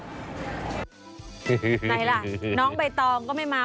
ไหนล่ะน้องใบตองก็ไม่มา